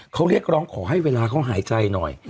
เขาเรียกร้องขอให้เวลาเขาหายใจหน่อย